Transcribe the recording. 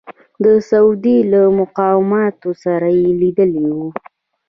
د سعودي له مقاماتو سره یې لیدلي وو.